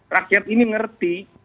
rakyat ini ngerti